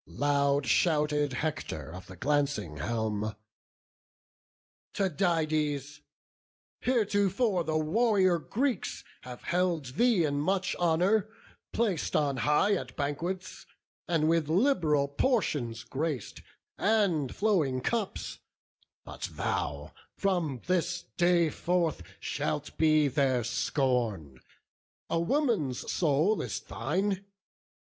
Loud shouted Hector of the glancing helm: "Tydides, heretofore the warrior Greeks Have held thee in much honour; plac'd on high At banquets, and with lib'ral portions grac'd, And flowing cups: but thou, from this day forth, Shalt be their scorn! a woman's soul is thine!